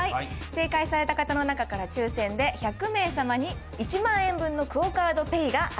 正解された方の中から抽選で１００名さまに１万円分のＱＵＯカードＰａｙが当たります。